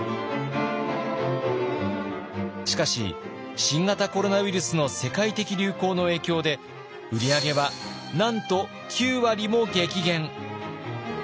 しかし新型コロナウイルスの世界的流行の影響で売り上げはなんと９割も激減。